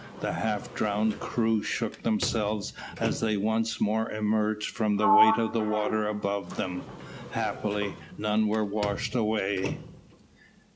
The half drowned crew shook themselves as they once more emerged from the weight of water above them. Happily, none were washed away.